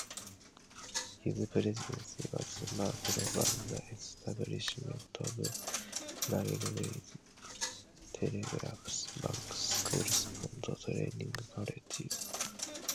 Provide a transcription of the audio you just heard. His presidency was marked by the establishment of railways, telegraphs, banks, schools and training-colleges.